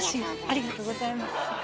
ありがとうございます。